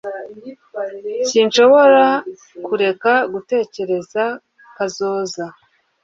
Sinshobora kureka gutekereza kazoza